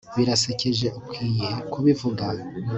Birasekeje ukwiye kubivuga